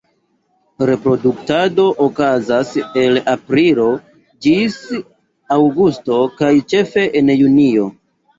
Reproduktado okazas el aprilo ĝis aŭgusto, kaj ĉefe en junio.